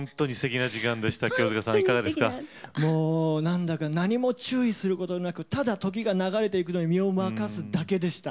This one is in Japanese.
もう何だか何も注意することなくただ時が流れていくのに身を任すだけでした。